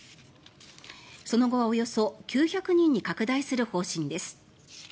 その後はおよそ９００人に拡大する方針です。